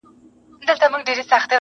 د نامحرمو دلالانو غدۍ٫